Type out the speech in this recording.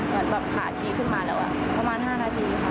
มันแบบขาชี้ขึ้นมาแล้วอ่ะประมาณห้านาทีค่ะ